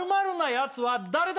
やつは誰だ！？